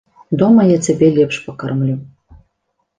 Дома я цябе лепш пакармлю.